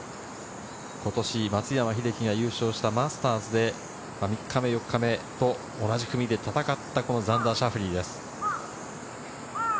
今年、松山英樹が優勝したマスターズで、３日目、４日目と同じ組で戦ったザンダー・シャフリーです。